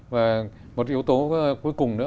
và một yếu tố cuối cùng nữa